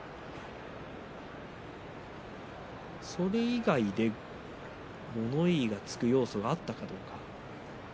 それ以外で物言いがつく要素があったかどうか。